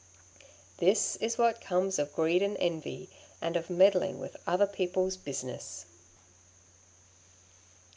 This is what comes of greed and envy, and of meddling with other people's business."